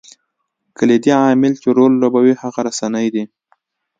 کلیدي عامل چې رول لوبوي هغه رسنۍ دي.